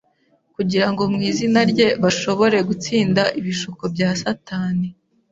kugira ngo mu izina rye bashobore gutsinda ibishuko bya Satani.